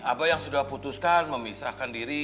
apa yang sudah putuskan memisahkan diri